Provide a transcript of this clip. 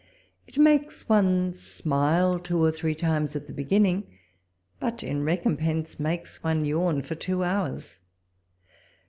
It makes one smile two or three times at tlie beginning, but in recompense makes one yawn for two hours.